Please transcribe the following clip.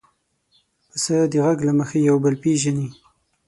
پسه د غږ له مخې یو بل پېژني.